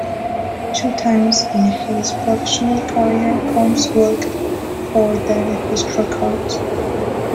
Two times in his professional career Combs walked more than he struck out.